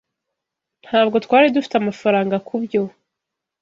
Ntabwo twari dufite amafaranga kubyo.